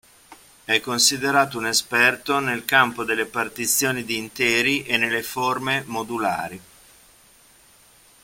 È considerato un esperto nel campo delle partizioni di interi e nelle forme modulari.